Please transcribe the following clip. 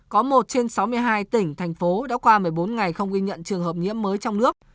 có một trên sáu mươi hai tỉnh thành phố đã qua một mươi bốn ngày không ghi nhận trường hợp nhiễm mới trong nước